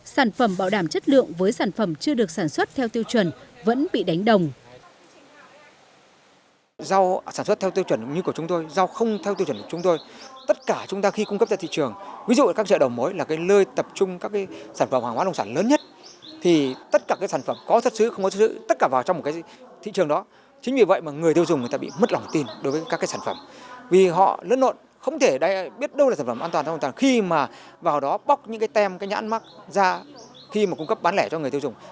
sản phẩm bảo đảm chất lượng với sản phẩm chưa được sản xuất theo tiêu chuẩn vẫn bị đánh đồng